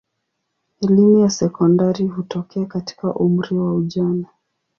Elimu ya sekondari hutokea katika umri wa ujana.